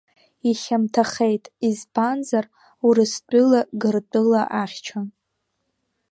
Ихьамҭахеит, избанзар, Урыстәыла Гыртәыла ахьчон.